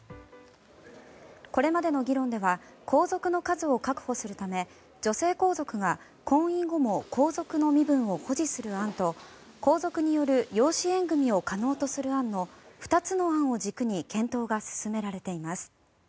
これまでの議論では皇族の数を確保するため女性皇族が婚姻後も皇族の身分を保持する案と皇族による養子縁組を可能とする案の２つの案を軸に検討が進められています。